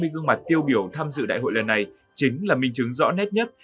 hai mươi gương mặt tiêu biểu tham dự đại hội lần này chính là minh chứng rõ nét nhất